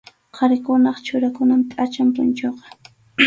Qharikunap churakunan pʼacham punchuqa.